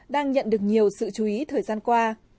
đang nhận được nhiều sự chú ý thời gian qua